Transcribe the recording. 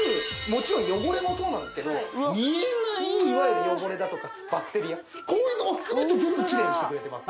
もちろん汚れもそうなんですけど見えないいわゆる汚れだとかバクテリアこういうのを含めて全部キレイにしてくれてます